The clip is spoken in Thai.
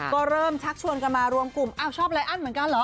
ก็เริ่มชักชวนกันมารวมกลุ่มอ้าวชอบไรอันเหมือนกันเหรอ